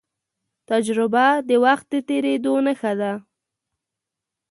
تجربه د وخت د تېرېدو نښه ده.